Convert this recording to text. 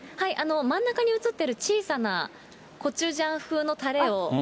真ん中にうつってる小さなコチュジャン風のたれを。